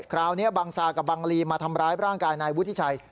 คราวนี้บังซากับบังลีมาทำร้ายร่างกายนายวุฒิชัย